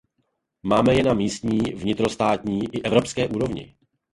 Máme je na místní, vnitrostátní a evropské úrovni.